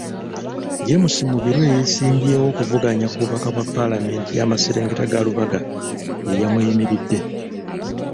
James Mubiru eyeesimbyewo okuvuganya ku bubaka bwa palamenti yamaserengeta ga Lubaga yeyamweyimiridde.